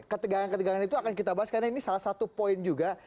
ketegangan ketegangan itu akan kita bahas karena ini salah satu poin juga